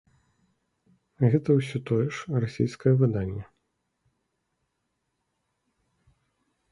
Гэта ўсё тое ж расійскае выданне.